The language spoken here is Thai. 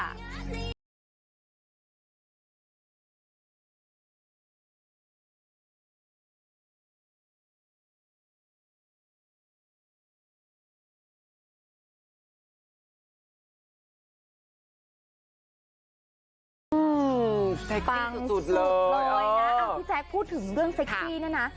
อืมสุดเลยนะอ้าวพี่แจ๊กส์พูดถึงเรื่องนะนะ